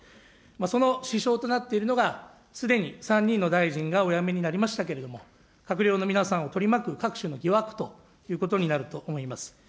その支障となっているのが、すでに３人の大臣がお辞めになりましたけれども、閣僚の皆さんを取り巻く各種の疑惑ということになると思います。